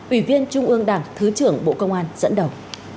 ủy viên trung ương đảng thứ trưởng bộ công an dẫn đầu